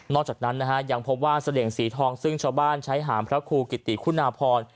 จากนั้นนะฮะยังพบว่าเสลี่ยงสีทองซึ่งชาวบ้านใช้หามพระครูกิติคุณาพร